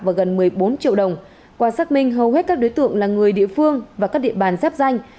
và gần một mươi bốn triệu đồng qua xác minh hầu hết các đối tượng là người địa phương và các địa bàn giáp danh